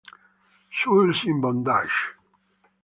Souls in Bondage